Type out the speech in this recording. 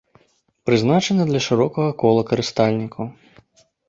Прызначаны для шырокага кола карыстальнікаў.